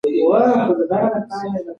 وخت هر څه بدلوي